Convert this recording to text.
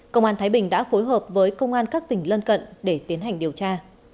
công an thái bình đã phối hợp với công an các tỉnh lân cận để tiến hành điều tra